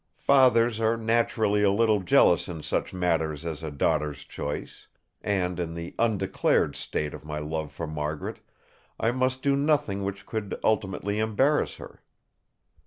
Fathers are naturally a little jealous in such matters as a daughter's choice, and in the undeclared state of my love for Margaret I must do nothing which could ultimately embarrass her.